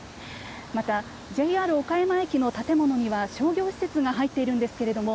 またＪＲ岡山駅の建物には商業施設が入っているんですけれども。